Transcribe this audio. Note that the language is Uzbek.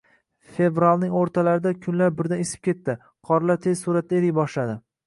Fevralning o`rtalarida kunlar birdan isib ketdi, qorlar tez sur`atda eriy boshladi